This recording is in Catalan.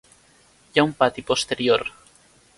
Hi ha un pati posterior.